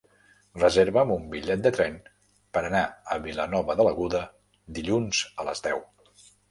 Reserva'm un bitllet de tren per anar a Vilanova de l'Aguda dilluns a les deu.